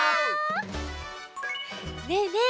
ねえねえ